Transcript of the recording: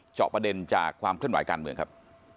เจาะประเด็นจากความเคลื่อนไหวการเมืองครับ